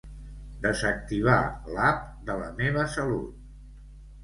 Desactivar l'app de La Meva Salut.